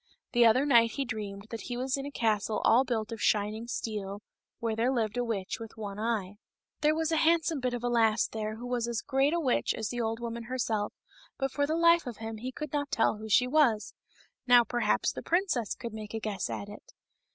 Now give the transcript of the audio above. The other night he dreamed that he was in a castle all built of shining steel, where there lived a witch with one eye. There was a handsome bit of a lass there who was as great a witch as the old woman herself, but for the life of him he could not tell who she was ; now perhaps the princess could make a guess at it.